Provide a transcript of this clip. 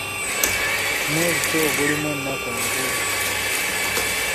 Mwezi ki ogulimu ennaku enkulu?